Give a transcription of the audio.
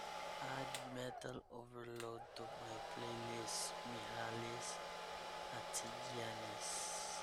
Add Metal Overload to my playlist Mihalis Hatzigiannis